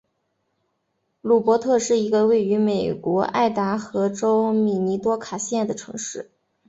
鲁珀特是一个位于美国爱达荷州米尼多卡县的城市。